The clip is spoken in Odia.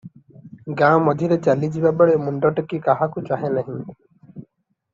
ଗାଁ’ ମଝିରେ ଚାଲିଯିବା ବେଳେ ମୁଣ୍ଡ ଟେକି କାହାକୁ ଚାହେଁ ନାହିଁ ।